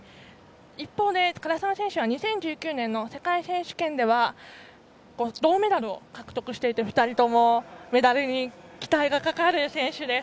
一方、唐澤選手は２０１９年の世界選手権では銅メダルを獲得していて２人ともメダルに期待がかかる選手です。